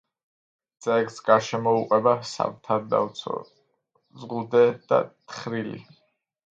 ძეგლს გარშემოუყვება სათავდაცვო ზღუდე და თხრილი.